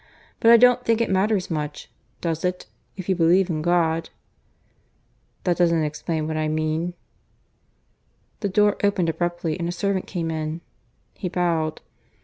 But I don't think it matters much (does it?), if you believe in God." "That doesn't explain what I mean." The door opened abruptly and a servant came in. He bowed.